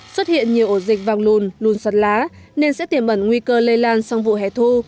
xuất hiện nhiều ổ dịch vàng lùn lùn sặt lá nên sẽ tiềm ẩn nguy cơ lây lan sang vụ hẻ thu